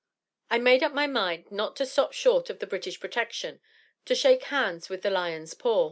"I made up my mind not to stop short of the British protection; to shake hands with the Lion's paw."